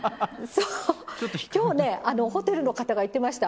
きょうね、ホテルの方が言ってました。